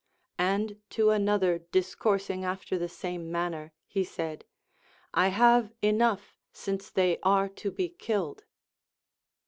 And to an other discoursing after the same manner he said, I have enough, since they are to be killed.